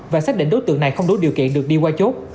và xác định đối tượng này không đủ điều kiện được đi qua chốt